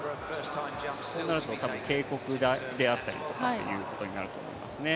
となると警告であったりということになると思います。